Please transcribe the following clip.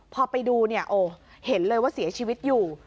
พอไปดูเนี่ยโอ้เห็นเลยว่าเสียชีวิตอยู่